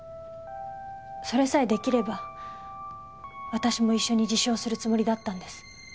それさえ出来れば私も一緒に自首をするつもりだったんです。